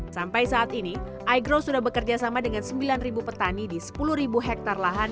sampai saat ini igrow sudah bekerja sama dengan sembilan petani di sepuluh hektare lahan